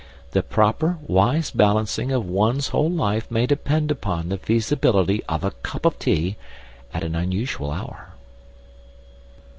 The proper, wise balancing of one's whole life may depend upon the feasibility of a cup of tea at an unusual hour.